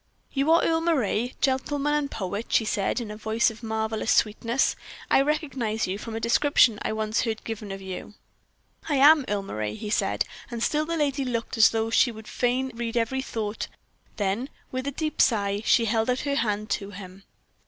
"You are Earle Moray, gentleman and poet," she said, in a voice of marvelous sweetness. "I recognize you from a description I once heard given of you." "I am Earle Moray," he said; and still the lady looked as though she would fain read every thought; then, with a deep sigh, she held out her hand to him.